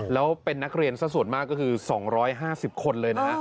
แล้วเป็นนักเรียนสักส่วนมากก็คือ๒๕๐คนเลยนะ